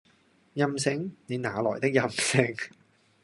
任性？你那來的任性？